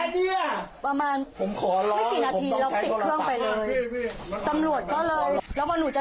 ปิดประมาณประมาณ